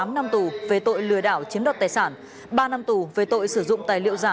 tám năm tù về tội lừa đảo chiếm đoạt tài sản ba năm tù về tội sử dụng tài liệu giả